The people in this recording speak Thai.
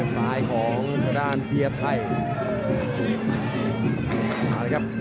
ซ้ายของด้านเบียบไทย